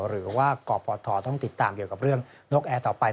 หรือว่ากพทต้องติดตามเกี่ยวกับเรื่องนกแอร์ต่อไป